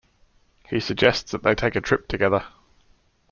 He suggests that they take a trip together.